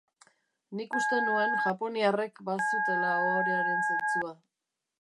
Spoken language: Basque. Nik uste nuen japoniarrek bazutela ohorearen zentzua.